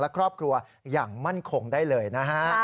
และครอบครัวอย่างมั่นคงได้เลยนะฮะ